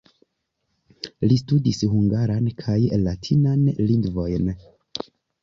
Li studis hungaran kaj latinan lingvojn.